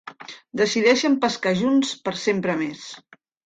Decideixen pescar junts per sempre més.